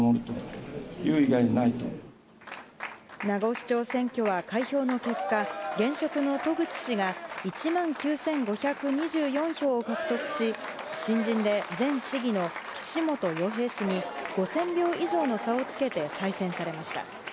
名護市長選挙は開票の結果現職の渡具知氏が１万９５２４票を獲得し新人で前市議の岸本洋平氏に５０００票以上の差をつけて再選されました。